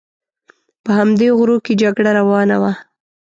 په همدې غرو کې جګړه روانه وه.